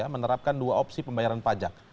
menerapkan dua opsi pembayaran pajak